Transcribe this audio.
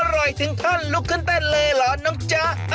อร่อยถึงท่านลุกขึ้นเต้นเลยเหรอน้องเจ้า